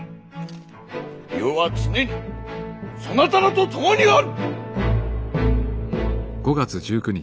余は常にそなたらと共にある！